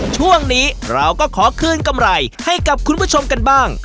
ช่วงนี้เราก็ขอคืนกำไรให้กับคุณผู้ชมกันบ้าง